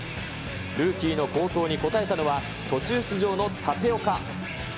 ルーキーの好投に応えたのは、途中出場の立岡。